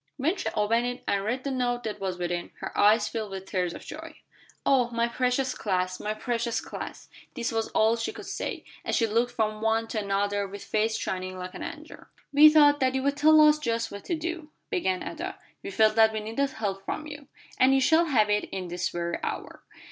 When she opened it and read the note that was within, her eyes filled with tears of joy. "Oh, my precious class! My precious class!" This was all she could say, as she looked from one to another with face shining like an angel's. "We thought that you'd tell us just what to do," began Ada. "We felt that we needed help from you." "And you shall have it this very hour.